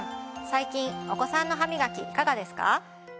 最近お子さんの歯みがきいかがですか？